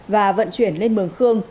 và vận chuyển lên mường khương